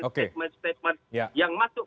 statement statement yang masuk